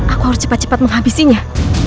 aku harus cepat cepat menghabisinya